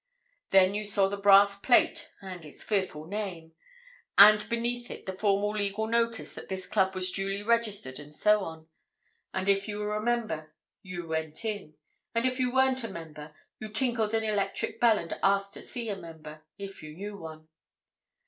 Then you saw the brass plate and its fearful name, and beneath it the formal legal notice that this club was duly registered and so on, and if you were a member you went in, and if you weren't a member you tinkled an electric bell and asked to see a member—if you knew one.